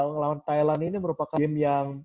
melawan thailand ini merupakan yang